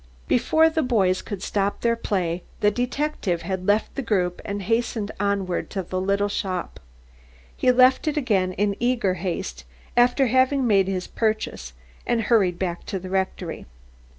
Before the boys could stop their play the detective had left the group and hastened onward to the little shop. He left it again in eager haste after having made his purchase, and hurried back to the rectory.